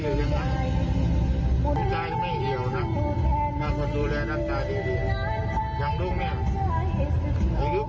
อย่างลุงเนี้ยอายุบาทนี่เนี้ยหกสิบแล้วคนเนี้ยไม่ต้องไปเจ็บยาหรอก